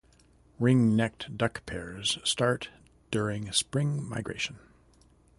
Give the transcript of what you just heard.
Ring-necked duck pairs start during spring migration.